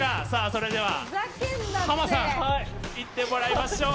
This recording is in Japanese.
それではハマさんいってもらいましょう。